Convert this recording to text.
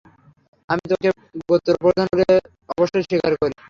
আমি তোমাকে গোত্রপ্রধান বলে অবশ্যই স্বীকার করি।